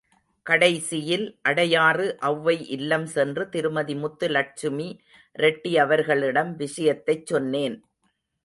கடைசியில் அடையாறு ஒளவை இல்லம் சென்று திருமதி முத்துலட்சுமி ரெட்டி அவர்களிடம் விஷயத்தைச் சொன்னேன்.